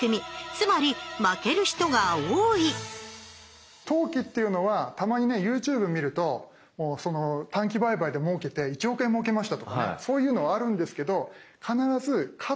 つまり負ける人が多い投機っていうのはたまにねＹｏｕＴｕｂｅ見ると短期売買でもうけて１億円もうけましたとかね